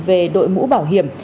về đội mũ bảo hiểm